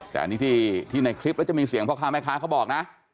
แต่อันนี้ที่ในคลิปแล้วจะมีเสียงพ่อค้าแม่ค้าเขาบอกนะ